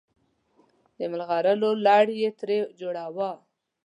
د ملغلرو لړ یې ترې جوړاوه.